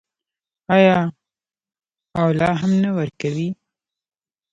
آیا او لا هم نه ورکوي؟